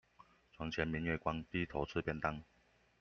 床前明月光，低頭吃便當